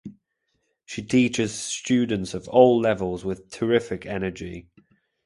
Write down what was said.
She teaches students of all levels with terrific energy.